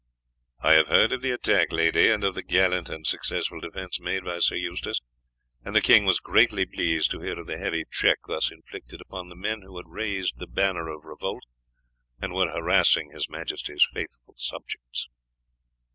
"I have heard of the attack, lady, and of the gallant and successful defence made by Sir Eustace, and the king was greatly pleased to hear of the heavy check thus inflicted upon the men who had raised the banner of revolt, and were harassing His Majesty's faithful subjects."